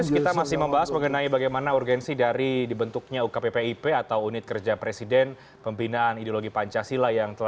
kita akan melanjutkan nanti usaha jeda